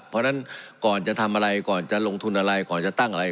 เพราะฉะนั้นก่อนจะทำอะไรก่อนจะลงทุนอะไรก่อนจะตั้งอะไร